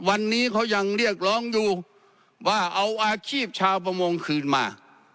วันนี้เขายังเรียกร้องอยู่ว่าเอาอาชีพชาวประมงคืนมา